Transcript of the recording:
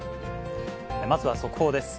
まずは速報です。